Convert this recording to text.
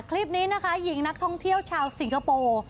คลิปนี้นะคะหญิงนักท่องเที่ยวชาวสิงคโปร์